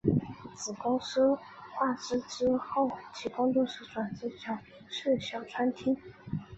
子公司化之后其工作室转移至小平市小川町。